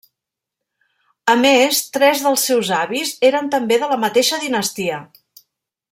A més, tres dels seus avis eren també de la mateixa dinastia.